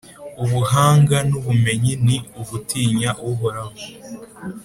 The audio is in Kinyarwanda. ubuhanga n’ubumenyi ni ugutinya Uhoraho,